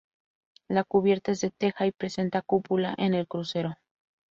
La cubierta es de teja y presenta cúpula en el crucero.